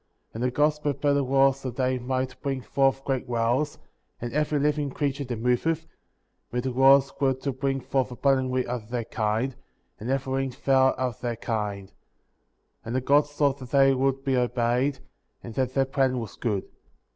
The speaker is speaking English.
21. And the Gods prepared the waters that they might bring forth great whales, and every living creature that moveth, which the waters were to bring forth abundantly after their kind; and every winged fowl after their kind. And the Gods saw that they would be obeyed,^ and that their plan was good.